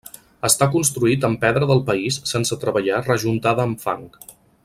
Està construït amb pedra del país sense treballar rejuntada amb fang.